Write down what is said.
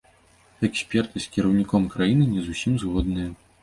Эксперты з кіраўніком краіны не зусім згодныя.